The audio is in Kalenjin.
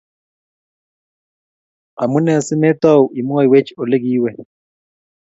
omunee simetou imwoiwech ole ki iwe?